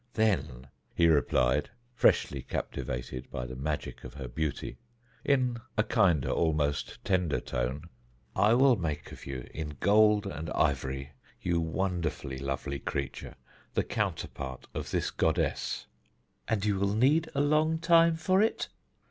"Then," he replied, freshly captivated by the magic of her beauty, in a kinder, almost tender tone, "then I will make of you, in gold and ivory, you wonderfully lovely creature, the counterpart of this goddess." "And you will need a long time for it?"